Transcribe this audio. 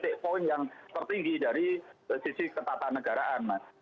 itu titik poin yang tertinggi dari sisi ketatanegaraan